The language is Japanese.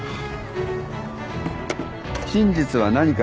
真実は何か。